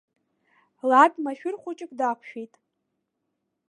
Лад машәыр хәыҷык дақәшәеит!